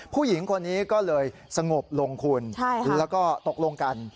ผู้หญิงคนนี้ก็เลยสงบลงคุณแล้วก็ตกลงกัน